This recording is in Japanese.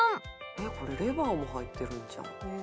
「えっこれレバーも入ってるんちゃう？」